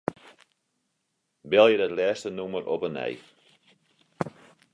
Belje dat lêste nûmer op 'e nij.